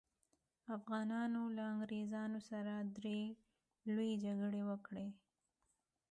افغانانو له انګریزانو سره درې لويې جګړې وکړې.